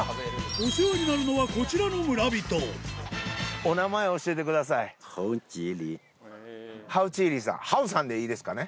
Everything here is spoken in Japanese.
お世話になるのはこちらの村人ハウさんでいいですかね。